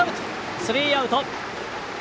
スリーアウト！